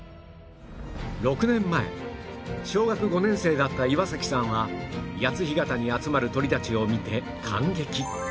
６年前小学５年生だった岩崎さんは谷津干潟に集まる鳥たちを見て感激